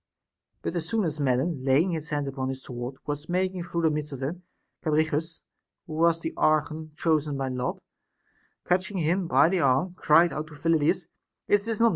But as soon as Melon, laying his hand upon his sword, was making through the midst of them, Cabirichus (who was the archon chosen by lot) catching him by the arm cried out to Phyllidns, Is not this Melon